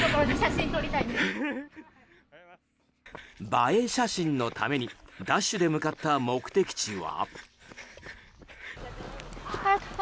映え写真のためにダッシュで向かった目的地は。